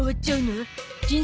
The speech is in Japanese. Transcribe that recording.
人生？